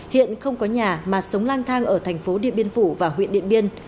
hiện không có nhà mà sống lang thang ở thành phố điện biên phủ và huyện điện biên